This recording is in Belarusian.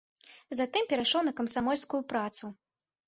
Затым перайшоў на камсамольскую працу.